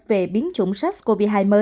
về biến chủng sars cov hai